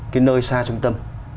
cái nơi xa trung tâm